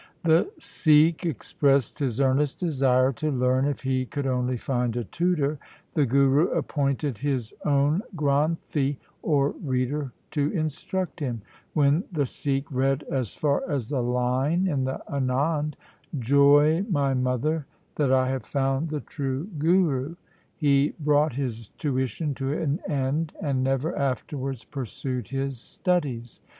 The Sikh expressed his earnest desire to learn, if he could only find a tutor. The Guru appointed his own Granthi, or reader, to instruct him. When the Sikh read as far as the line in the Anand, 'Joy, my mother, that I have found the true Guru !' he brought his tuition to an end, and never afterwards pursued his studies.